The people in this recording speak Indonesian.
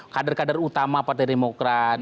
kader kader utama partai demokrat